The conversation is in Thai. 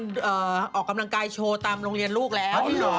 ออกกำลังกายโชว์ตามโรงเรียนลูกแล้ว